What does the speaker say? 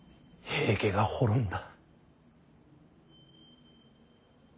平家が滅んだ！